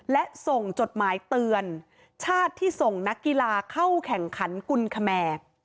และส่งจดหมายเตือนชาติที่ส่งนักกีฬาเข้าแข่งขันกุลคแมร์